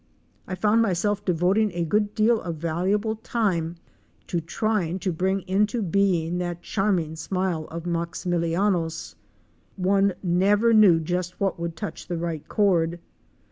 I found myself devoting a good deal of valuable time to trying to bring into being that charming smile of Maximiliano's. One never knew just what would touch the right chord.